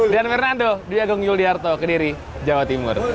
dan bernardo dia genggul di harto kediri jawa timur